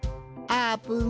あーぷん！